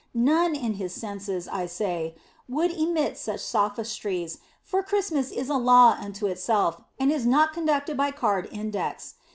None in his senses, I say, would emit such sophistries, for Christmas is a law unto itself and is not conducted by card index.